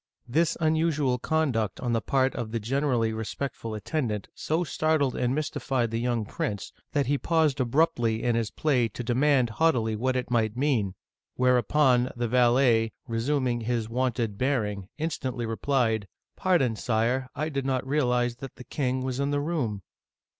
This unusual conduct on the part of a generally respectful attendant so startled and mystified the young prince, that uigitizea Dy vjiOOQlC 3l8 OLD FRANCE he paused abruptly in his play to demand haughtily what it might mean. Whereupon the valet, resuming his wonted bearing, instantly replied :" Pardon, Sire ; I did not realize that the king was in the room!"